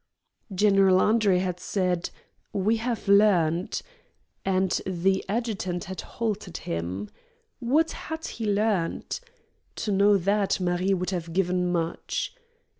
General Andre had said, "We have learned " and the adjutant had halted him. What had he learned? To know that, Marie would have given much.